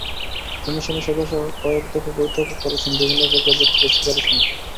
কমিশনের সদস্যরা কয়েক দফা বৈঠকও করেছেন বিভিন্ন পর্যায়ের ব্যক্তিদের সুপারিশ নিতে।